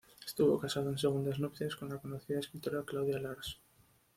Estuvo casado en segundas nupcias con la conocida escritora Claudia Lars.